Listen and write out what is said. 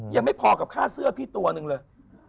ยังไม่พอกับค่าเสื้อพี่ตัวหนึ่งเลย